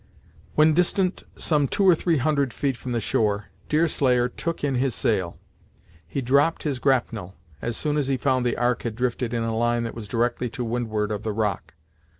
When distant some two or three hundred feet from the shore, Deerslayer took in his sail. He dropped his grapnel, as soon as he found the Ark had drifted in a line that was directly to windward of the rock.